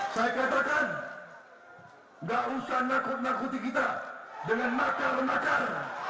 saya katakan gak usah nakut nakuti kita dengan makar makar